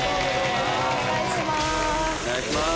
お願いします。